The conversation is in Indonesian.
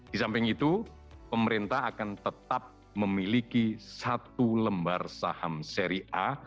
di samping itu pemerintah akan tetap memiliki satu lembar saham seri a